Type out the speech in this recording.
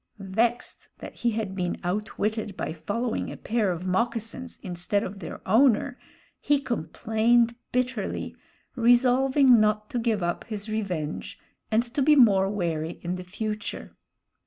Vexed that he had been outwitted by following a pair of moccasins instead of their owner, he complained bitterly, resolving not to give up his revenge and to be more wary in the future.